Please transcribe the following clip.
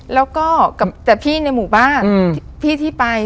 แล้วก็กับแต่พี่ในหมู่บ้านพี่ที่ไป